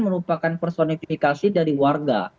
merupakan personifikasi dari warga